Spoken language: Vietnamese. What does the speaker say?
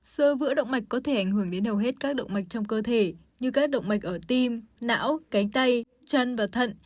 sơ vữa động mạch có thể ảnh hưởng đến hầu hết các động mạch trong cơ thể như các động mạch ở tim não cánh tay chân và thận